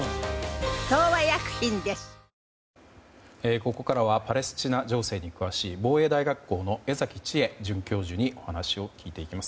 ここからはパレスチナ情勢に詳しい防衛大学校の江崎智絵准教授にお話を聞いていきます。